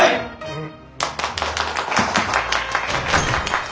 うん。